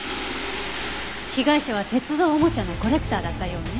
被害者は鉄道おもちゃのコレクターだったようね。